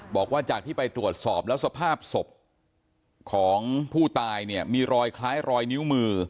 บอกว่าจากที่ไปตรวจสอบแล้วสภาพศพของผู้ตายเนี่ยมีรอยคล้ายรอยนิ้วมือ